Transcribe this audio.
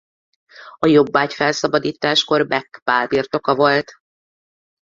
A jobbágyfelszabadításkor Bekk Pál birtoka volt.